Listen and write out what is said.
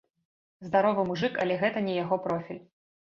Здаровы мужык, але гэта не яго профіль!